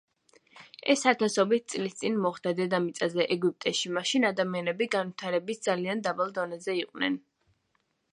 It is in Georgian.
ეს ათასობით წლის წინ მოხდა, დედამიწაზე, ეგვიპტეში, მაშინ ადამიანები განვითარების ძალიან დაბალ დონეზე იყვნენ.